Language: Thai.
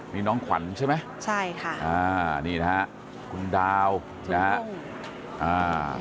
นี่น้องขวัญใช่ไหมใช่ค่ะนี่นะฮะคุณดาวคุณจูด้อง